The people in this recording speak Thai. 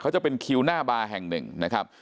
เขาจะเป็นคิวหน้าบาร์แห่งหนึ่งนะครับ